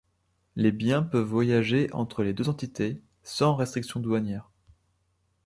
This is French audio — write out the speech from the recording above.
Les biens peuvent voyager entre les deux entités sans restrictions douanières.